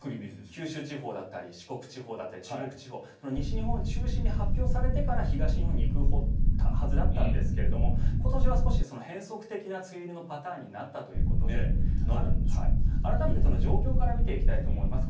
九州地方だったり四国地方、中国地方西日本中心に発表されてから東日本に行くはずだったんですけど今年は変則的な梅雨入りのパターンになったということで改めてその状況から見ていきたいと思います。